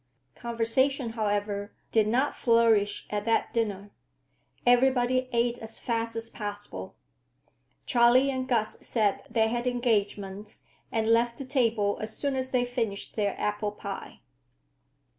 Conversation, however, did not flourish at that dinner. Everybody ate as fast as possible. Charley and Gus said they had engagements and left the table as soon as they finished their apple pie.